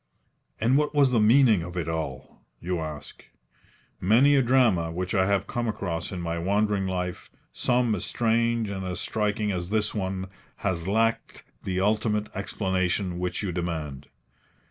And what was the meaning of it all? you ask. Many a drama which I have come across in my wandering life, some as strange and as striking as this one, has lacked the ultimate explanation which you demand.